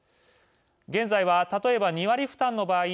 現在は、例えば２割負担の場合